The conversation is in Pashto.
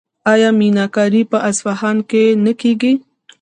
آیا میناکاري په اصفهان کې نه کیږي؟